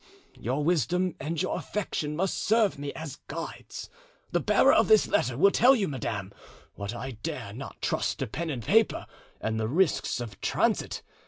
Your wisdom and your affection must serve me as guides. The bearer of this letter will tell you, madame, what I dare not trust to pen and paper and the risks of transit.